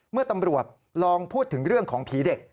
เมื่อตำรวจลองพูดถึงเรื่องของผีเด็ก